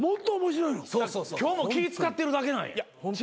今日も気使ってるだけなんや。